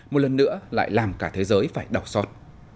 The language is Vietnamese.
một lần nữa lại làm cả thế giới phải đọc sót